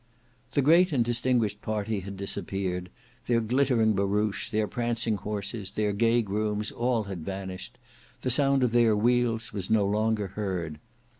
The great and distinguished party had disappeared; their glittering barouche, their prancing horses, their gay grooms, all had vanished; the sound of their wheels was no longer heard.